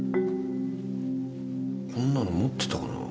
こんなの持ってたかなぁ。